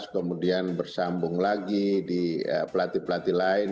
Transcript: dua ribu delapan belas kemudian bersambung lagi di pelatih pelatih lain